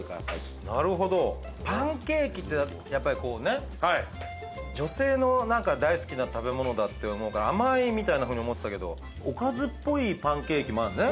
なるほどパンケーキってやっぱりこうね女性の大好きな食べ物だって思うから甘いみたいなふうに思ってたけどおかずっぽいパンケーキもあるね。